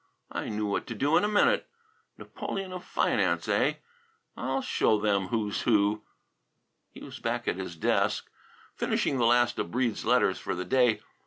I knew what to do in a minute. Napoleon of Finance, eh? I'll show them who's who!" He was back at his desk finishing the last of Breede's letters for the day.